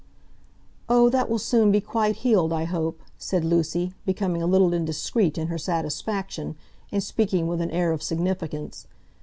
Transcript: "Oh, that will soon be quite healed, I hope," said Lucy, becoming a little indiscreet in her satisfaction, and speaking with an air of significance.